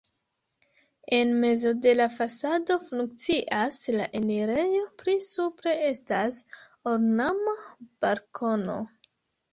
En mezo de la fasado funkcias la enirejo, pli supre estas ornama balkono.